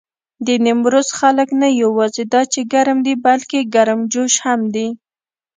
د نيمروز خلک نه یواځې دا چې ګرم دي، بلکې ګرمجوش هم دي.